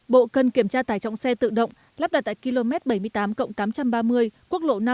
bộ cần kiểm tra tải trọng xe tự động lắp đặt tại km bảy mươi tám cộng tám trăm ba mươi quốc lộ năm